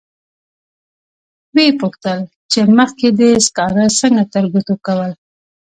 و یې پوښتل چې مخکې دې سکاره څنګه ترګوتو کول.